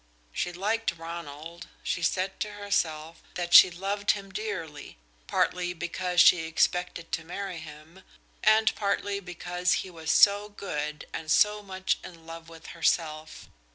She liked Ronald, she said to herself that she loved him dearly, partly because she expected to marry him, and partly because he was so good and so much in love with herself.